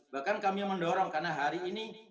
bahkan kami mendorong karena hari ini